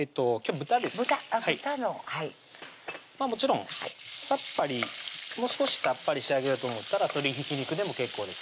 豚のはいもちろんもう少しさっぱり仕上げようと思ったら鶏ひき肉でも結構です